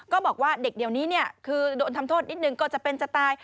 ก็บอกว่าเด็กเดี๋ยวนี้คือโดนทำโทษนิดนึงก็จะเป็นจะตาย